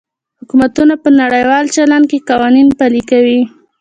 حکومتونه په نړیوال چلند کې قوانین پلي کوي